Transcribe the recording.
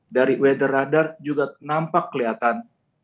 dari weather radar juga nampak kelihatan